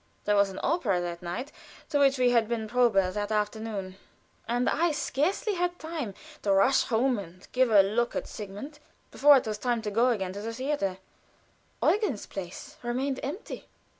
There was an opera that night to which we had probe that afternoon, and I scarcely had time to rush home and give a look at Sigmund before it was time to go again to the theater. Eugen's place remained empty.